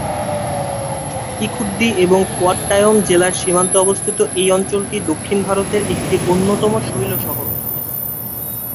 ইদুক্কি এবং কোট্টায়ম জেলার সীমান্তে অবস্থিত এই অঞ্চলটি দক্ষিণ ভারতের একটি অন্যতম শৈল শহর।